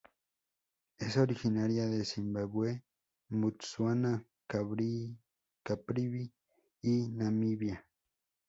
Es originaria de Zimbabue, Botsuana, Caprivi y Namibia.